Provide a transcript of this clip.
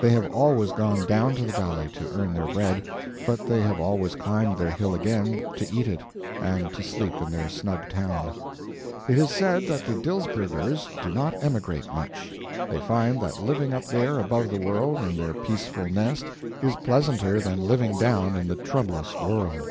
They have always gone down to the valley to earn their bread, but they have always climbed their hill again to eat it, and to sleep in their snug town. It is said that the Dilsbergers do not emigrate much; they find that living up there above the world, in their peaceful nest, is pleasanter than living down in the troublous world.